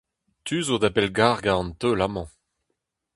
Tu zo da bellgargañ an teul amañ.